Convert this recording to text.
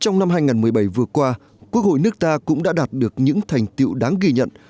trong năm hai nghìn một mươi bảy vừa qua quốc hội nước ta cũng đã đạt được những thành tiệu đáng ghi nhận